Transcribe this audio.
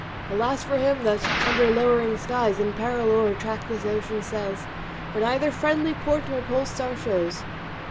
Alas for him that under lowering skies, In peril o'er a trackless ocean sails, Where neither friendly port nor pole star shows."